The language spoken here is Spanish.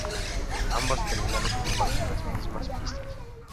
Ambas terminales comparten las mismas pistas.